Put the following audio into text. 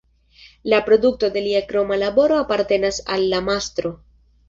La produkto de lia kroma laboro apartenas al la mastro.